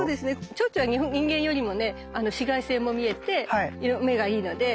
チョウチョは人間よりもね紫外線も見えて目がいいのでもっと